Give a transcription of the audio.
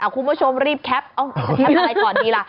คุณผู้ชมรีบแคปจะแคปอะไรก่อนดีล่ะ